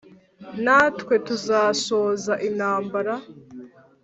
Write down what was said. natwe tuzashoza intambara.